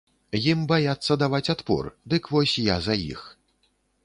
Ім баяцца даваць адпор, дык вось я за іх.